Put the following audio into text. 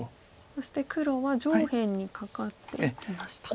そして黒は上辺にカカっていきました。